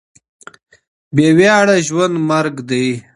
بې وياړه ژوند مرګ دی.